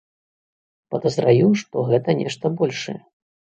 Падазраю, што гэта нешта большае.